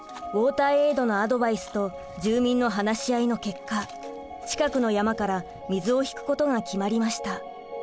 ウォーターエイドのアドバイスと住民の話し合いの結果近くの山から水を引くことが決まりました。